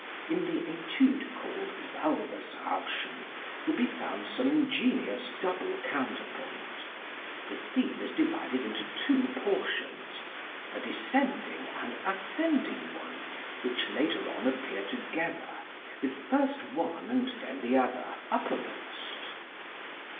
In the Étude called "Waldesrauschen" will be found some ingenious double counterpoint. The theme is divided into two portions, a descending and ascending one, which later on appear together, with first one and then the other uppermost.